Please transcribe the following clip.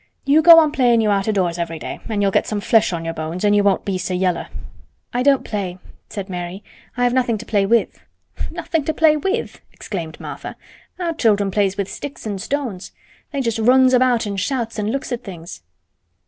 You go on playin' you out o' doors every day an' you'll get some flesh on your bones an' you won't be so yeller." "I don't play," said Mary. "I have nothing to play with." "Nothin' to play with!" exclaimed Martha. "Our children plays with sticks and stones. They just runs about an' shouts an' looks at things."